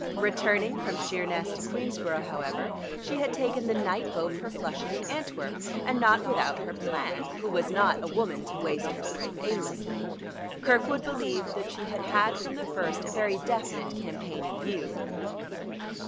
Returning from Sheerness to Queensborough, however, she had taken the night boat for Flushing and Antwerp, and not without her plan, who was not a woman to waste her strength aimlessly; Kirkwood believed that she had had from the first a very definite campaign in view.